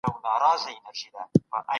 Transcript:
سالم فکر د ناوړه فکرونو مخه نیسي.